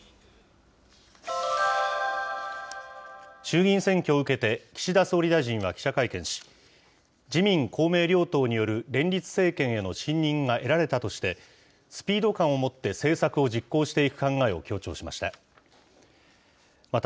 衆議院選挙を受けて、岸田総理大臣は記者会見し、自民、公明両党による連立政権への信認が得られたとして、スピード感を持って政策を実行していく考えを強調しました。